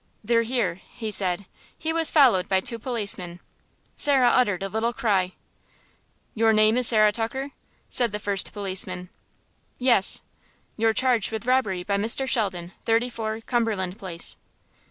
"They're here," he said. He was followed by two policemen. Sarah uttered a little cry. "Your name is Sarah Tucker?" said the first policeman. "Yes." "You're charged with robbery by Mr. Sheldon, 34, Cumberland Place."